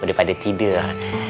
udah pada tidur